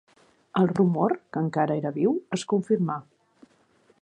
El rumor, que encara era viu, es confirmà.